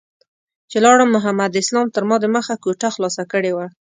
چې لاړم محمد اسلام تر ما دمخه کوټه خلاصه کړې وه.